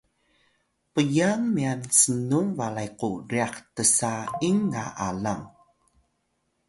pyang myan snun balay ku ryax tsa’ing na alang